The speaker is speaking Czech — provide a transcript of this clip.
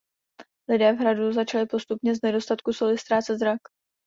Lidé v hradu začali postupně z nedostatku soli ztrácet zrak.